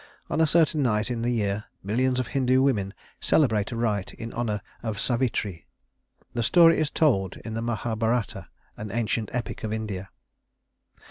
On a certain night in the year millions of Hindu women celebrate a rite in honor of Savitri. The story is told in the Mahabharata, an ancient epic of India.